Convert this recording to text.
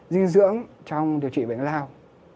dinh dưỡng trong điều trị bệnh lao